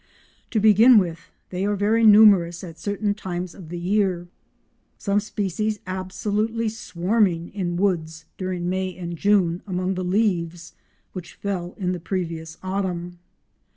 To begin with, they are very numerous at certain times of the year, some species absolutely swarming in woods during May and June among the leaves which fell in the previous autumn.